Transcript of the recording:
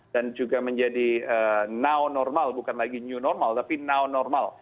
dan juga menjadi now normal bukan lagi new normal tapi now normal